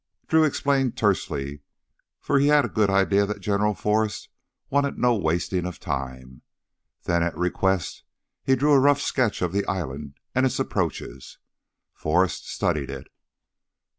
Drew explained tersely, for he had a good idea that General Forrest wanted no wasting of time. Then at request he drew a rough sketch of the island and its approaches. Forrest studied it.